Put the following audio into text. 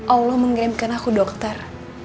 allah menggerimkan aku dokter